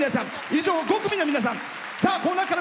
以上、５組の皆さん。